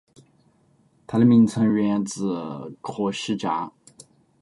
它的名称源自科西嘉。